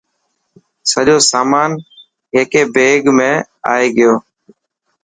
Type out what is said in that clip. سڄو سامان هيڪي بيگ ۾ آي گيو.